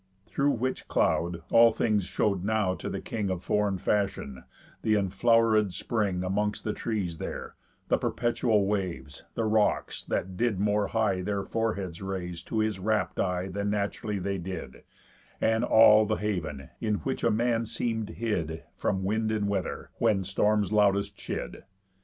Through which cloud all things show'd now to the king Of foreign fashion; the enflow'réd spring Amongst the trees there, the perpetual waves, The rocks, that did more high their foreheads raise To his wrapt eye than naturally they did, And all the haven, in which a man seem'd hid From wind and weather, when storms loudest chid.